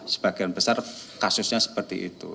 sebagian besar kasusnya seperti itu